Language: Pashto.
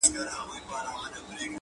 کوم ظالم چي مي افغان په کاڼو ولي,